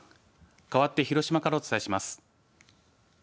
かわって広島からお伝えします。